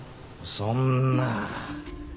そんな。